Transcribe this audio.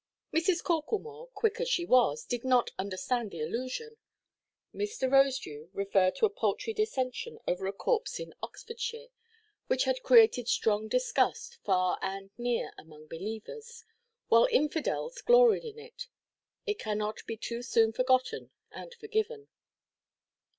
Mrs. Corklemore, quick as she was, did not understand the allusion. Mr. Rosedew referred to a paltry dissension over a corpse in Oxfordshire, which had created strong disgust, far and near, among believers; while infidels gloried in it. It cannot be too soon forgotten and forgiven.